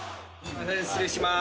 失礼します。